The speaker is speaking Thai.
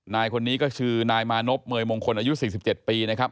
นายคนนี้ก็คือนายมานพเมยมงคลอายุ๔๗ปีนะครับ